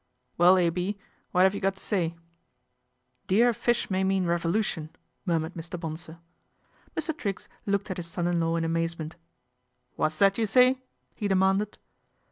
" Well, A. B., what 'ave you got to say ?"" Dear fish may mean revolution," murmured Mr. Bonsor. Mr. Triggs looked at his son in law in amaze ment. " What's that you say ?" he demanded.